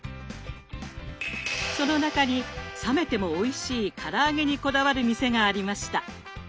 その中に冷めてもおいしいから揚げにこだわる店がありました。